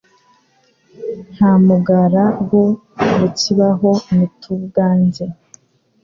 nta mugara gu bukibaho ni tu bwange